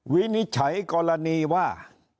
วินิจฉัยกรณีว่า